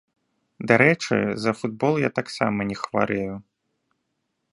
Дарэчы, за футбол я таксама не хварэю.